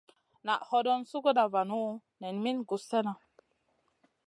Naʼ hodon suguda vanu nen min guss slena.